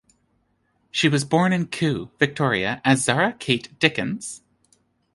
She was born in Kew, Victoria as Zara Kate Dickins.